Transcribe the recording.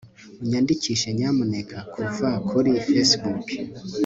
unyandikishe nyamuneka kuva kuri facebook